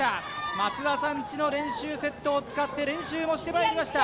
松田さんちの練習セットを使って練習もしてまいりました